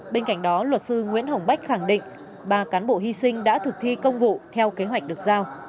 bên cạnh đó luật sư nguyễn hồng bách khẳng định ba cán bộ hy sinh đã thực thi công vụ theo kế hoạch được giao